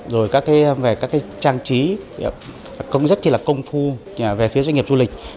rồi các trang trí rất là công phu về phía doanh nghiệp du lịch